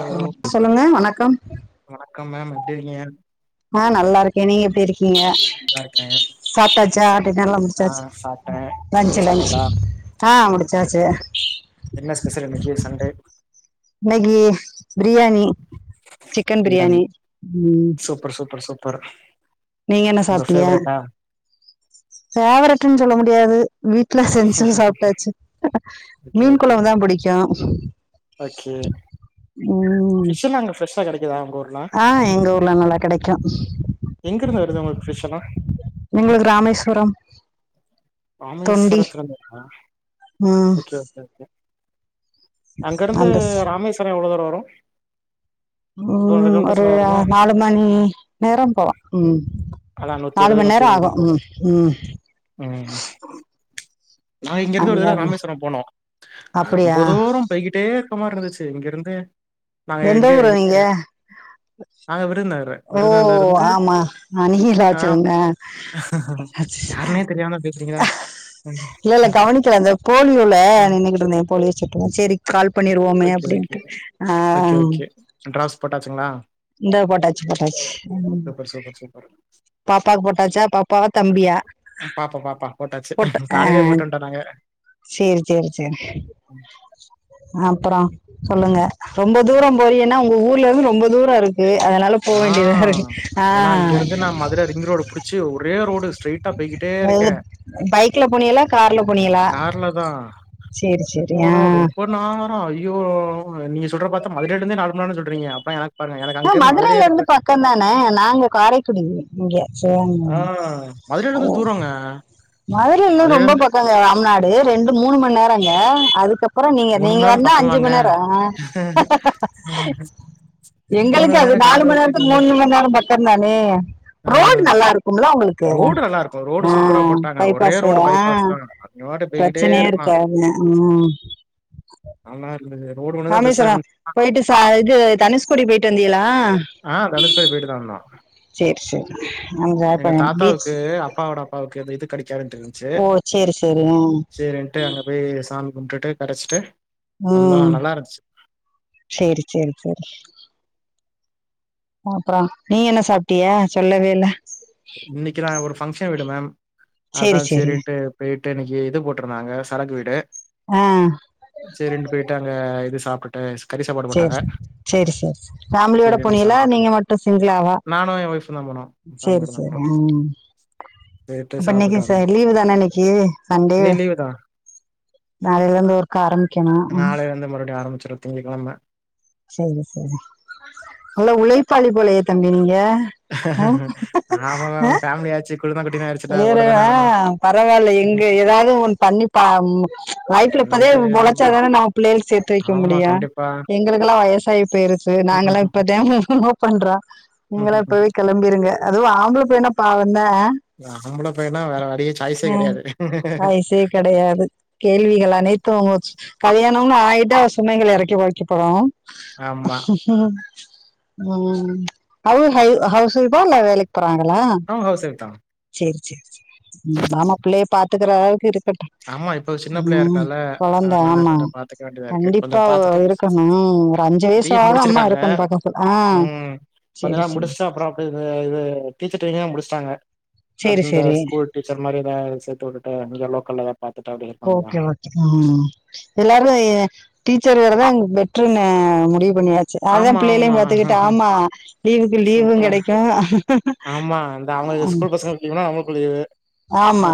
Hello சொல்லுங்க வணக்கம் வணக்கம் மேம் எப்டிருக்கீங்க ஆ நல்லா இருக்கே நீங்க எப்டி இருக்கீங்க நல்லாருக்கே சாப்ட்டாச்சா டின்னர்லாம் ஆ முடிச்சாச்சு சாப்ட்ட நீங்க லன்ச் லன்ச் சாப்ட்டீங்களா ஆ முடிச்சாச்சு என்ன ஸ்பெஷல் இன்னைக்கு சண்டே இன்னைக்கி பிரியாணி சிக்கன் பிரியாணி ம் பிரசோ பிரசோ ப்பற நீங்க என்ன சாப்ட்டிங்க பேவரட்ன்னு சொல்ல முடியாது வீட்டு்ல செஞ்சு சாப்ட்டாச்சு ஓகே மீன் ஓகே கொழம்பு தா ஓகே பிடிக்கு ஓகே ம் ஃபிஷ் எல்லா அங்க ஃப்ரெஷ்ஷா கெடைக்குதா உங்க ஊர்ல ஆ எங்க ஊர்ல நல்லா கெடைக்கு எங்க இருந்து வருது உங்களுக்கு ஃபிஷ் எல்லா எங்களுக்கு ராமேஸ்வரம் தொண்டி ராமேஸ்வரத்துல இருந்த ம் ஓகே ஓகே ஓகே அங்கிருந்து அந்த ஸ் ராமேஸ்வரம் எவ்வளோ தூரோ வரு டூ ஹண்ட்ரட் ம் கிலோமீட்டர்ஸ் ஒரு மேல வருமா நாலு மணி நேரம் போலா ம் அதா நூத்தி நாலு அறுவது மண் நூத்தி நேரம் எழுவது ஆகு கிலோமீட்டர் வரு ம் ம் ம் ம் நா இங்கருந்து அங்க ஒரு தரம் இருந்து ராமேஸ்வரம் போனோம் அப்படியா ரொம்ப தூரம் போயகிட்டே இருக்க மார் இருந்துச்சு இங்கருந்து எந்த ஊரு நீங்க நாங்க விருதுநகரு ஓ விருதுநகர்ல இருந்து ஆமா ஆ அணிலாச்சலுங்க யாருனே தெரியாம பேசுறீங்களா? ம் இல்ல இல்ல ம் கவனிக்கல இந்த போலியோல ம். நின்கிட்டு இருந்தே போலியோ சொட்டு கால் பண்ணிருவோமே ஓகே, ஓகே. அப்டின்ட்டு ஆ ஓகே, ஓகே. டிராப்ஸ் போட்டாச்சுங்களா இந்த போட்டாச்சு போட்டாச்சு ம் சூப்பர், சூப்பர், சூப்பர். பாப்பாக்கு போட்டாச்சா பாப் பா வா தம்பியா பாப்பா, பாப்பா போட்டாச்சு. போட்ட அ காலையிலயே போட்டு வந்துட்டோம் நாங்க. செரி செரி செரி ம். அப்பறோ சொல்லுங்க ரொம்ப தூரோ போறியனா உங்க ஊர்ல இருந்து ரொம்ப தூரோ இருக்கு அதனால போக ஆ வேண்டியதா இருக்கு ஆ ஏன்னா இங்க இருந்து நா மதுர ரிங் ரோடு புடிச்சு ஒரே ரோடு ஸ்ட்ரெய்ட்டா போய்கிட்டே இருக்கே பைக்ல போனியலா கார்ல போனியலா கார்ல செரி செரி ஆ நா ஐய்யோ நீங்க சொல்றத பார்த்தா மதுரையில இருந்தே நாலு மண் நேரந்தா சொல்றீங்க அப்ப எனக்கு பாருங்க எனக்கு அங்க இருந்து [unintelligible] இருந்து பக்க தானே நாங்க காரை துடிங் இங்க ஆ [inaudible] ஓ மதுரையிலேருந்து தூரங்க. மதுரைல ரொம்ப பக் மதுரையிலேருந்து பக்கோங்க ராம்நாடு ரெண்டு மூணு மண் நேரம்ங்க அதுக்கப் றோ நீங்க நீங்க மணி நேரம் வந்தா அஞ்சு பக்கமாங்க. மண் நேரோ அ [inaudible] மூணு எங்களுக்கு மணி அது நேரம் நாலு கார் மண் ஓட்டிட்டு நேரத்துக்கு வந்துட்டோம். மூணு மண் நேரம் பக்கோதானே ஆ ரோடு் நல்லா இருக்கும்ல உங்களுக் கு ரோடு நல்லா இருக்கும். ரோடு ஆ சூப்பரா போட்டாங்க. ஒரே பைபாஸ் ரோடு ஆ பைபாஸ் தான். நீ பாட்டுக்கு போய்க்கிட்டே பிரச்சனையா இருக் இருக்கலாம். காது ம் நல்லார் இந்தந்த ரோடு ஒண்ணு தான் பெருசா ராமேஸ்வரா இருந்துச்சு. போயிட்டு ச இது தனுஷ்கோடி போயிட்டு வந்தீகலா ஆ தனுஷ்கோடி போயிட்டு தா வந்தோ சேரி எங்க அங்க பீச் தாத்தாவுக்கு அப்பாவோட அப்பாவுக்கு அந்த இது கெடைக்காதுன்ட்டு இருன்ச்சு செரி செரி ம் ட்டு அங்க போய் சாமி கும்டுட்டு கரச்ட்டு ம் செரி செரி செரி அப்றோ நீங்க என்ன சாப்ட்டிய சொல்லவே இல்ல இன்னைக்கு நா ஒரு ஃபங்க்ஷன் வீடு மேம் அதா சேரி சேரி செரின்ட்டு போய்ட்டு இன்னைக்கி இது போட் இருந்தாங்க சரக்கு வீடு ஆ செரின்ட்டு போய்ட்டு அங்க இது சாப்டுட் ஆ கறி சாப்பாடு செரி போட்டாங்க. செரி செரி ஃபேமிலியோட போனியலா நீங்க மட்டு சிங்களாவா நானு என் ஒய்ஃப் தா போனோ செரி செரி ஆ போயிட்டு அப்ப இன்னைக்கி சாப்பிட்டு ச வந்தோம். லீவு தான இன்னைக்கி சண்டே இன்னைக்கு லீவு தான். நாளையில இருந்து ஒர்க்கு ஆரம்பிக்கணு ம் திங்கக்கிழம செரி செரி நல்லா உழைப்பாளி போலையே தம்பி நீங்க அ ஆமா அ மேம் ஃபேமிலி ஆச்சு குழுந்தா குட்டின்னு ஆயிடுச்சுல இவ்ரு ஓடதான ஆ ஆகணு பரவால எங்கு ஏதாது ஒன் பண்ணி பா லைஃப்ல இப்பதே பண்ணிக்கிட்டே பொழச்சா இருக்கமா தான நம்ம பிள்ளேள் சேத்து வைக்க ஆமா முடியு கண்டிப்பா எங்களுக்லா வயசாயி பேய்ருச்சு நாங்களா இப்பத லவ் பண்றோ நீங்கள எப் இப்பவே கெளம்பிருங்க அதுவும ஆம்பள பையனா பாவந்த அ ஒரு ஆம்பள பையனா வேற வழியே சாய்ஸே கெடையாது வயசே கெடையாது கேள்விகள் அனைத்தும் கல்யாணோன் ஆயிட்டா சுமைகள் எறக்கி வைக்க போறோ ஆமா ம் ஹொவ் ஹய் ஹவுஸ் ஒய்ஃபா இல்ல வேலைக் பறாங்களா அவ ஹவுஸ் ஒய்ஃப் தா செரி செரி ம் வாம பிள்ளைய பாத்துக்கறளவுக்கு இருக்கட்டு ஆமா இப்போ சின்ன பிள்ளையா ம் இருக்கால கொழந்த அதனால ஆமா கொஞ்ச பாத்துக்க வேண்டியதா இருக்கு கொஞ்ச கண்டிப்பா ஓ பாத்துட்டு இருக் க்கணும் ஒரு அஞ்சு பி எட் வயசாக அம்மா முடிச்சிருக்காங்க இருக்கன் பகத்ல அ ம் கொஞ்ச நே முடிச்ட்டு அப்றோ அப்டி இது இது டீச்சர் ட்ரெய்னிங்லா முடிச்டாங்க சேரி செரி டீச்சர் மாரி எதா வேலைக் சேத்து வுட்டுட்டு இங்க லோக்கல்ல எதாப் பாத்துட்டு அப்டே இருக்க வேண்டிதா ஓகே ம் எல்லாரு எ டீச்சர் வேலதாங் பெட்ருன்னே முடிவு பண்ணியாச் சு அதாம் ஆமா பிள்ளேளியும் பாத்துகிட்டு ஆமா ஆம்மா லீவுக்கு லீவுங் சூப்பர் கெடைக்கு ஆமா இந்த அவுங்களுக்கு ஸ்கூல் பசங்ளுக் லீவுனா அவுங்ளுக்கு லீவு ஆமா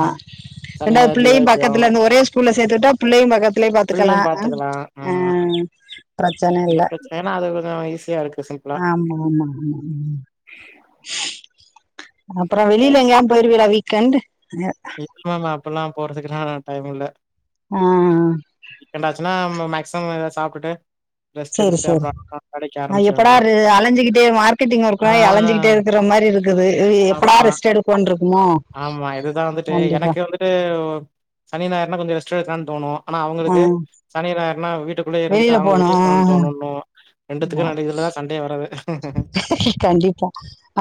சனி ரெண்டாது ஞாயிறு பிள்ளையும் லீவாயி போயிரு பக்கத்துலருந்து ஒரே ஸ்கூல்ல சேத்து வுட்டா பிள்ளையும் பக்கத்துலே பிள்ளையு பாத்துக்கலா அ பாத்துக்கலா அ ஆமா பிரச்சன இந்த இல்ல பிரச்சன ஏன்னா அது கொஞ்சோ ஈஸியா இருக்கு சிம்பிளா ஆமா மா மா ம் அப்றோ வெளில எங்யாம் போய்ருவீளா வீக்கெண்ட் [unintelligible] அப்பல்லாம் போறதுகுலா டைமில்ல அ அ அ வீக்கெண்ட்டாச்சினா மே மேக்சிமம் எதா சாப்டுட்டு ரெஸ்ட் எடுத்துட்டு அப்றோ [unintelligible] அ எப்படா ரு அலஞ்சிகிட்டே மார்கெட்டிங் ஒர்க் ஆ மாரி அலஞ்சிகிட்டே இருக்க மாரி இருக்குது இ எப்படா ஆமா ரெஸ்ட் எடுப் போன் ருக்குமோ ஆமா இதுதா வந்துட்டு எனக்கு வந்துட்டு சனி ஞாயிர்னா கொஞ்சோ ரெஸ்ட் எடுக்லான் தோணு ஆனா ஆ, அவுங்களுக்கு சனி ஞாயிர்னா வீட்டுக்குள்ளே இருந்துட்டு வெளியில அவுங்க போகணும் வெளியப் ஆ, போனுன் தோணுன்னு ரெண்டுத்துக்கு ஆ. நடு இதுலதா சண்டையே வரது கண்டிப்பா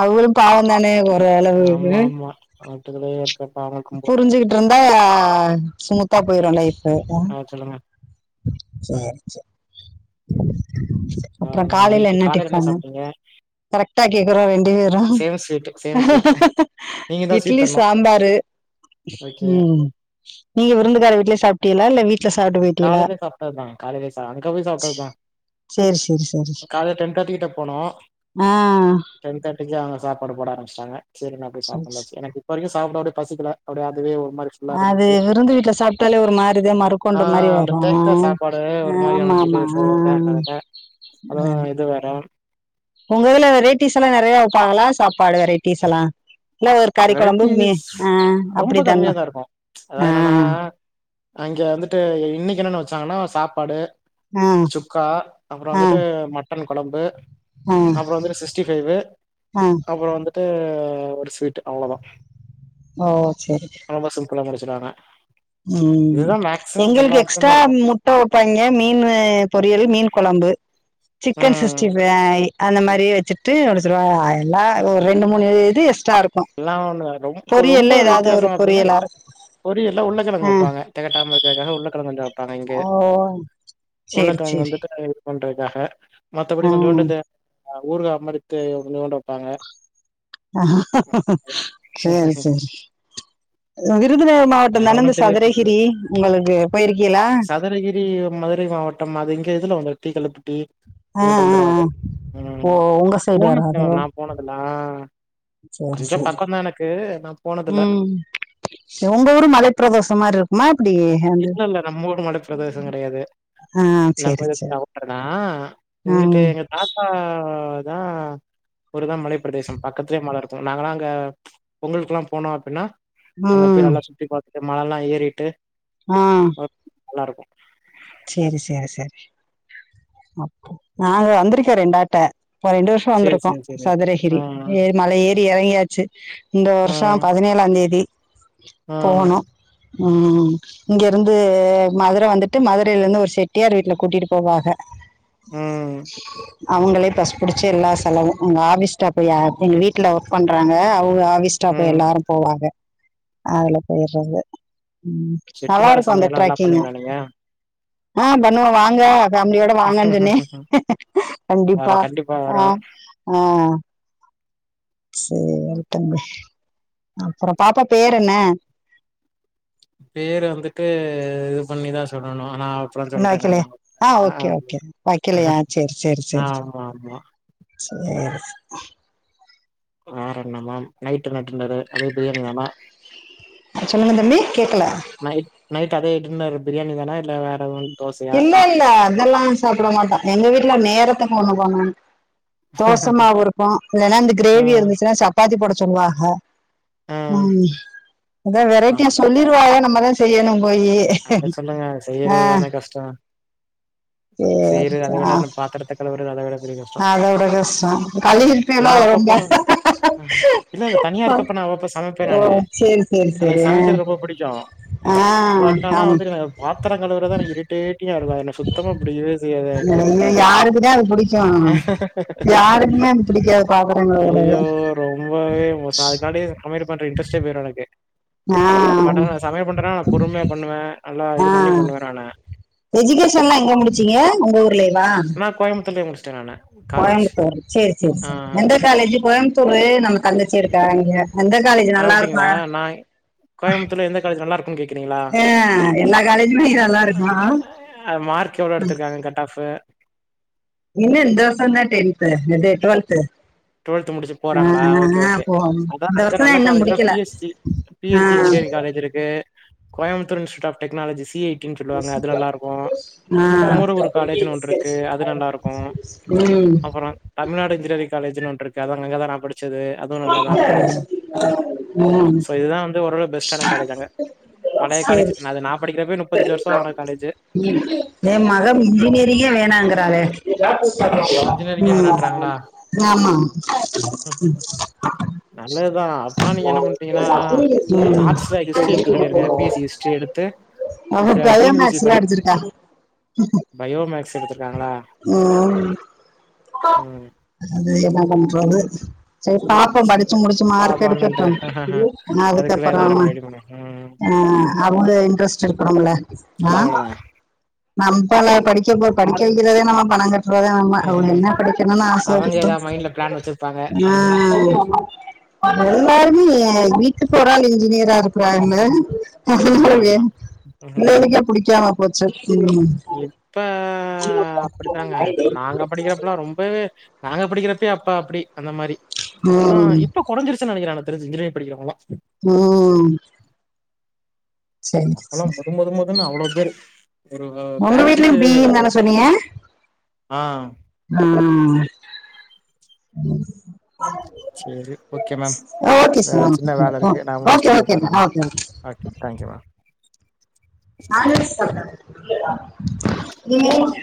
அவுளும் பாவந்தானே ஒரளவு ஆட்டுகலேக் புரிஞ்சுகிட்ருந்தா சுமூத்தா போயிரு லைஃப்பு ஆ சொல்லுங்க சேர் செர் அப்ற வேற காலைல நைட்டு என்ன காலையில டிஃபனு சாப்ட்டீங்க கரெக்டா கேக்கற ரெண்டேரா சேம் ஸ்வீட் சேம் ஸ்வீட் நீங்க தான் ஸ்வீட் இட்லி தரணும் சாம்பாரு ஓகே ம் நீங்க விருந்துகார வீட்ல சாப்டீலா இல்ல வீட் ட்ல சாப்டு போய் காலைல சாப்டத்தா காலைல சா அங்க போய் சாப்டத்தா சரி சரி சரி கால்ல டென் தேர்டி கிட்ட போனோ ஆ டென் தேர்ட்டிக்கு அங்க சாப்பாடு போட ஆரமிச்டாங்க செரி நா போய் சரி சாப்டு சரி வந்தாச்சு எனக்கு இப்ப வரைக்கு சாப்ட ஒடேப் பசிக்கில அப்டே அதுவே ஒரு மாரி ஃபுல்லா அது இருந்துச்சு விருந்து வீட்ல சாப்டாலே ஒரு மாரி தேமாருக் ஆ கொண்டு மாரி அந்த வரு அ டேக்வே சாப்பாடு ஒரு மாரி அம்மா அம்மா அ அளதா இது வேற உங்க இதுல ரேட்டிஸ் அலா நெறைய வெப்பாகளா சாப்பாடு வெரைட்டிஸ் அலா இல்ல ஒருக் கறிக்கொழம்பு மீ அ வெரைட்டிஸ் அ அ ரொம்ப கம்மியா அப்டிதான்னா தான் இருக்கும் அ அதாவது என்னன்னா அ அங்க வந்துட்டு இன்னைக்கு என்னனு வச்சாங்கனா சாப்பாடு ஆ சுக்கா அப்றோ ஆ வந்துட்டு மட்டன் கொழம்பு ஆ அப்றோ வந்துட்டு சிஸ்டி ஃபைவு ஆ அப்றோ வந்துட்டு ஒரு ஸ்வீட்டு அவ்ளதா ஓ செரி ரொம்ப சிம்ப்புளா முடிச்சுடுஆங்க ம் எங்களுக்கு எக்ஸ்ட்டா இடத்துலயுமே இருக்கும். முட் முட்ட ஒப்பாய்ங்க மீன்னு பொரியல் மீன் கொழம்பு சிக்கன் ம். சிக்ஸ்டி ஃபைவ் அந்த மாரி வெச்சுட்டு ஒரு சொலுவாக எல்லா ஒரு ரெண்டு மூணு இது எக்ஸ்ட்டா இருக் எல்லா ஒண்ணு ரொம் ஒரு ரொம்ப வித்தியாசோ ஒரு அப்படின்னா பொரியலா இருக்கு பொரியல்ல உள்ளக்கெழங்கு ஆ வெப்பாங்க தெகட்டாம இருக்காக உள்ளக்கெழங்க கொஞ்சொ பாங்க இங்கெ ஓ சேரி உள்ளக்கெழங்க சேரி வந்துட்டு ஒண்டறத்துக்காக மத்தபடி கொஞ்சோண்டு ந்த ஆ அ ஊறுகா மரித்து கொஞ்சோண்டு வெப்பாங்க சேரி சரி விருதுநகர் வேற மாவட்டதன ந்த ஒண்ணும் பெரிய வித்தியாசம் சதுரகிரி உங்களுக்கு பொயிருக்கீகளா சதுரகிரி மதுரை மாவட்டம் அது இங்க இதுல வந்துட் டீக்கள்ளுப்பட்டி ஆ அங்குட்டு ஆ வந்துரும் ஆ அது ஓ ம் உங்க சைடு போனத்ல வராதோ நா போனதுல்ல ஆ சேரி கொஞ்சம் சேரி பக்கம் தான் எனக்கு. நான் போனதில்ல. ம் உங்க ஊரு மலை பிரதேசம் மாரிருக்குமா எப்புடி இல்ல இல்ல நம்ம ஊரு மலை பிரதேசங் கெடையாது ஆ நம்ம சேரி இதுக் சேரி அவுட்டர் நா இங்குட்டு ம் எங்க தாத் தா தா ஒருதா மலைப்பிரதேசம் பக்கத் க்லே மலஇருக்கூ நாங்கலா அங்க பொங்களுக்குல்லா போனோ அப்பின்னா ஆ அப்பி நல்லா சுத்தி பாத்துட்டு மழல்லா ஏறிட்டு அ ம் நல்லாருக்கு சேரி சேரி சேரி அப் நா வந்திருக்கே ரெண்டாட்ட ஒரு ரெண்டு வர்ஷொ சரி, வந்துருக்குகோ சரி, சரி. ஆ, சதுரஹிரி ஏறி மல ஏறி எறங்கியாச்சு இந்த ஆ, வர்ஷொ பதினேழாம் தேதி ஆ, போணு ம் இங்க இருந்து மதுர வந்துட்டு மது ரெல்லெந்து ஒர் செட்டியார் வீட்ல கூட்டிட்டு போவாஹ ம், அவங்களே பஸ்டபுடிச்சு எல்லா செலவு அங்க ஆபீஸ் ஸ்டாப் எ எங் வீட்டுல பண்றாங்க அவுக ஆபீஸ்டாப் ம். எல்லாரு போவாக அதுல பெயிற்றது செட்டிநாடு நல்லாருக்கு அந்த சமையல்லாம் நல்லா ட்ரக்ககிங்க பண்ணுவீங்களா நீங்க? ஆ பண்ணுவோ வாங்க ஃபேமிலியோட வாங்கன் சொன்னே கண்டிப்பா வரேன். அ வரேன். ஆ சேர் தம்பி அப்புற பாப்பா பேரு என்ன பேரு வந்துட்டு இது பண்ணிதா சொல்லணுமா அனா இன்ன வக்கலையா அ ஓக்கே ஓக்கே வக்கலையா சேர் சேர் சேர் ஆமா ஆமா சேர் வேற என்ன மேம் நைட்டு் என்ன டின்னரு அதே பிரியாணிதானா சொல்லுங்க தம்பி கேக்கல நைட் நைட் அதே இதுன்னாரு பிரியாணி தானா இல்ல வேற ஒண் இல்ல இல்ல அதெல்லா சாப்புட மாட்ட எங்க வீட்டுல நேரத்துக் ஒண்ணு பண்ணணு தோசமாவுருக்கு இல்லைன்னா அந்த ஆ கிரேவி இருந்துச்சுனா சப்பாத்தி போட சொல்லுவாக ஆ அதா ஆ வெரைட்டியா சொல்லிருவாக நம்மதா செய்யணூ போயி அத சொல்லுங்க ஆ செய்யறது தான கஷ்டொ சேரி செய்யறது அத விட ஆ நம் பாத்தரத்துக் கழுவுறது அதவிட பெரிய [inaudible] அதோட கஷ்டோ கழுவிட்டு எல்லா நா வேலயும் அப்பப்போ [unintelligible] இல்ல இங்க தனியா இருக்கப்ப நான் அப்ப சமைப்பே ஓ நானு சேரி சேரி சேரி எனக்கு சமைக்கிறது ரொம்ப புடிக்கும் ஆ ஆம் எ பாத்தர கழுவரது தான் எனக் இரி டேடியா இருக்கா என்ன சுத்தமா அப்டி இரு செய்தான் எனக்கு ஐயோ யாருக்குதா அது புடிக்கு யாருக்குமே அது பிடிக்காது பாத்திரங்கழுவுறது ஐயோ ரொம்பவே மோசோ அதுக்கான்டி சமையல் பண்ற இன்ட்ரெஸ்ட்டே போயிரு எனக்கு ஆ பட் ஆனா சமயல் பண்றன்னா நான் பொறுமையா பண்ணுவே நல்லா இது பண்ணி பண்ணுவ நானு எஜிகேஷன் எல்லா எங்க முடிச்சீங்க உங்க ஊர்லயேவா கோயம்பத்தூர்லே முடிச்சிட்டேன் நானு காலேஜ். கோயம்பத்தூரு செரி செரி ஆ. செரி எந்த காலேஜ் கோயம்புத்தூரு நம்ம அந்த சைடு காரங்க எந்த காலேஜி நல்லாருக்கு அப்டிங்களா? நான் கோயம்புத்தூர்ல எந்த காலேஜ் நல்லா இருக்கும்னு கேட்கிறீங்களா? ஆ எல்லா காலேஜுமே இ நல்லா இருக்கோ அது மார்க் எவ்ளோ எடுத்திருக்காங்க கட் ஆஃபு இல்ல இந்த வருஷம்தா டென்த்து நேது டுவெல்த்து டுவெல்த் முடிச்சு போறாங்களா ஓகே ஓகே போ அதான் இந்த அங்க வருஷம் நல்ல தான் இன்னும் காலேஜ்னா முடிக்கல பிஎஸ்சி ஆ, பிஸ்சி இன்ஜினியரிங் காலேஜ் இருக்கு Coimbatore institute of technology CA சொல்லுவாங்க அது நல்லா இருக்கும் ஆ. குமுர குரு காலேஜ்ன் ஒன்னு இருக்கு அது நல்லா இருக்கும் உம் தமிழ்நாடு இன்ஜினியரிங் காலேஜ் ஒன்னு இருக்கு அங்கதா நா படிச்சது அதுவும் நல்லாதா இருக்கு ம். சோ இதுதான் வந்து ஓரளவு பெஸ்டான காலேஜ் அங்க பழைய சரி காலேஜ் அது நா படிக்கிறப்பய முப்பத்தஞ்சு வருஷம் ஆன காலேஜ் ம் என் மகம் இன்ஜினியரிங்கே வேணாங்குறாளே இன்ஜினியரிங்கே ம் வேணான்றாங்களா ஆமா நல்லது தான் அப்டின்னா நீங்க என்ன பண்ங்கன்னா ம் ஆர்ட்ஸ் ஹிஸ்ட்ரி எடுக்க சொல்லிடுங்க எ பிஎஸ்சி ஹிஸ்ட்ரி எடுத்து அவ டி பயோ என் பி எஸ் சி மேக்ஸ் படி இல்ல எடுத்திருக்கா பயோமேக்ஸ் எடுத்திருக்காங்களா உம் ம் அது என்ன பண்றது சரி பாப்போ படிச்சு சேரி முடிச்சு வா மார்க் வா அண்ணன்ட்ட எடுக்கட்டோ அதுக்கப்பறோ ஆ ஆ அவங்க இன்ட்ரெஸ்ட் இருக்கணும்ல ஆ அவ்ளோதா நம்பலா படிக்கப்போ படிக்க இத இத நம்ம பணம் கட்டுறதே நம்ம அவுங்க என்ன படிக்கணுனு ஆச அவங்க ஏதா மைண்ட்ல பிளான் வச்சிருப்பாங்க ஆஹா, ஆ எல்லாருமே எ வீட் இப்ப ஒராள் இன்ஜினியரா இருக்கறாங்க அதனால ஆமா வேலக் ஆமா வேலைக்கே புடிக்காம [unintelligible] இப்ப அப்பிடித்தாங்க இப்ப நாங்க படிக்கிறப்பல்லா ரொம்பவே நாங்க படிக்கிறப்பயே அப்பா அப்டி அந்த மாரி இப்பெல்லாம் ம் இப்ப கொறஞ்சுருச்சி நெனைக்கிற எனக் தெரிஞ்சி இன்ஜினியரிங் படிக்கறவங்களா ம் சரி அப்பெல்லா சரி மொதுமொதுமொதுன்னு அவ்ளோ பேரு ஒரு உங்க பேச்சுக்கு வீட்லயும் பிஇன்னு தான ஆ உம் செரி ஓகே மேம் ஆ ஓகே ஏ சார் சின்ன வேல ஓகே இருக்கு நான் முடிச்சுட்டு ஓகே கூப்பற ma'am okay thank you ma'am always [unintelligible] ஏ